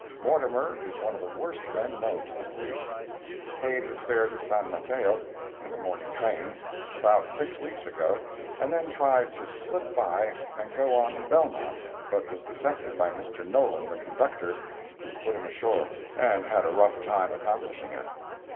Mortimer is one of the worst men known to the Police. He paid his fare to San Mateo, in the morning train, about six weeks ago and then tried to slip by and go on to Belmont, but was detected by Mr. Nolan, the conductor, who put him ashore, and had a rough time accomplishing it.